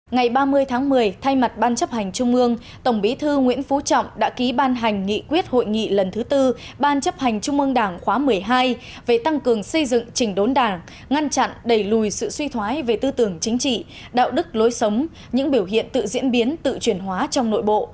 ngày ba mươi tháng một mươi thay mặt ban chấp hành trung ương tổng bí thư nguyễn phú trọng đã ký ban hành nghị quyết hội nghị lần thứ tư ban chấp hành trung ương đảng khóa một mươi hai về tăng cường xây dựng trình đốn đảng ngăn chặn đẩy lùi sự suy thoái về tư tưởng chính trị đạo đức lối sống những biểu hiện tự diễn biến tự chuyển hóa trong nội bộ